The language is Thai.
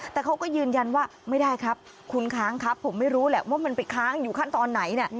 แต่เขาก็ยืนยันว่าไม่ได้ครับคุณค้างครับผมไม่รู้แหละว่ามันไปค้างอยู่ขั้นตอนไหน